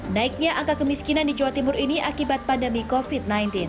naiknya angka kemiskinan di jawa timur ini akibat pandemi covid sembilan belas